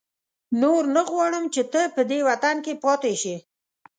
نور نه غواړم چې ته په دې وطن کې پاتې شې.